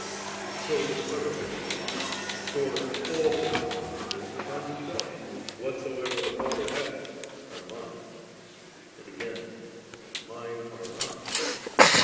and so with other attributes. For *all things,' says the Son Himself, * what soever the Father hath, are Mine*®;* and again, * And Mine are Thine.